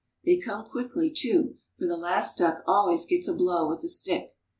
They come quickly too, for the last duck always gets a blow with a stick.